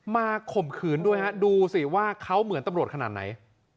ข่มขืนด้วยฮะดูสิว่าเขาเหมือนตำรวจขนาดไหน